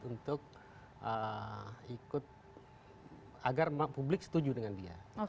untuk ikut agar publik setuju dengan dia